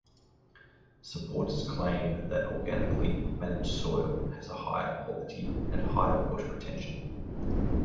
Supporters claim that organically managed soil has a higher quality and higher water retention.